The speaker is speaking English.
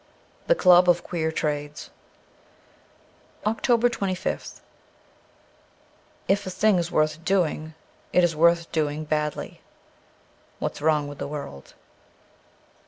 ' 7 he Club of Queer Trades.' 330 OCTOBER 25th IF a thing is worth doing, it is worth doing badly. ' JV hat's Wrong with the World.'